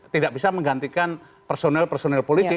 tidak bisa menggantikan personel personel politik